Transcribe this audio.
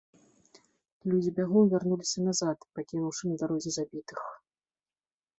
Людзі бягом вярнуліся назад, пакінуўшы на дарозе забітых.